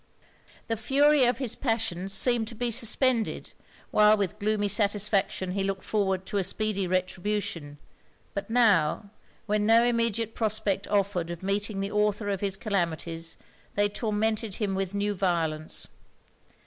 The fury of his passions seemed to be suspended, while with gloomy satisfaction he looked forward to a speedy retribution: but now, when no immediate prospect offered of meeting the author of his calamities, they tormented him with new violence.